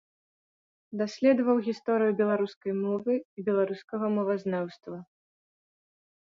Даследаваў гісторыю беларускай мовы і беларускага мовазнаўства.